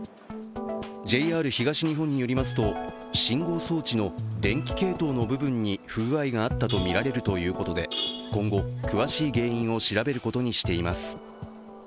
ＪＲ東日本によりますと、信号装置の電気系統の部分に不具合があったとみられるということで今後、詳しい原因を調べることにしています。